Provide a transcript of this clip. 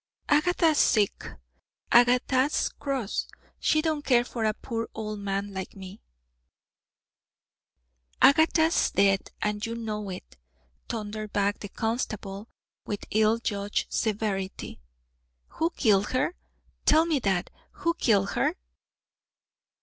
"Agatha's sick, Agatha's cross; she don't care for a poor old man like me." "Agatha's dead and you know it," thundered back the constable, with ill judged severity. "Who killed her? tell me that. Who killed her?"